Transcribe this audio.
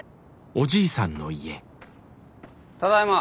ただいま。